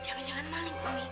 jangan jangan maling pami